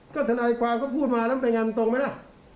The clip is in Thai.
ก็ทนายความก็พูดมาแล้วมันเป็นไงมันตรงไหมล่ะ